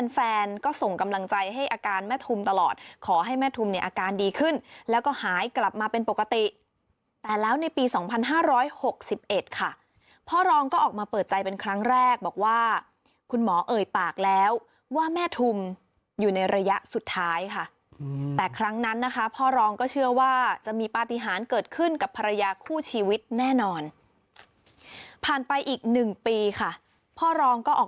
แฟนก็ส่งกำลังใจให้อาการแม่ทุมตลอดขอให้แม่ทุมเนี่ยอาการดีขึ้นแล้วก็หายกลับมาเป็นปกติแต่แล้วในปี๒๕๖๑ค่ะพ่อรองก็ออกมาเปิดใจเป็นครั้งแรกบอกว่าคุณหมอเอ่ยปากแล้วว่าแม่ทุมอยู่ในระยะสุดท้ายค่ะแต่ครั้งนั้นนะคะพ่อรองก็เชื่อว่าจะมีปฏิหารเกิดขึ้นกับภรรยาคู่ชีวิตแน่นอนผ่านไปอีก๑ปีค่ะพ่อรองก็ออก